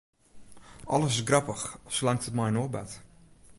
Alles is grappich, salang't it mei in oar bart.